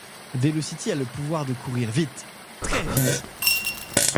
Velocity a le pouvoir de courir vite, très vite.